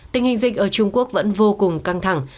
tình hình dịch ở trung quốc vẫn vô cùng căng thẳng